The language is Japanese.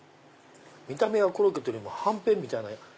見た目はコロッケというよりもはんぺんみたいな。